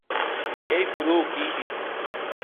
Qu'ei pro, Kitty.